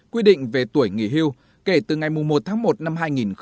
quy định về tuổi nghỉ hưu kể từ ngày một tháng một năm hai nghìn hai mươi